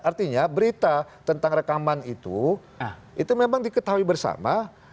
artinya berita tentang rekaman itu itu memang diketahui bersama